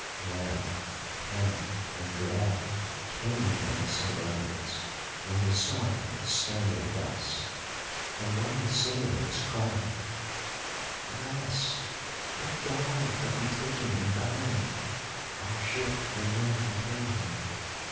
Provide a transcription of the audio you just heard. Now panic and dread came on the Sidonians when they saw him standing thus, and one of the sailors cried: "Alas! what god have we taken and bound? Our ship may not contain him.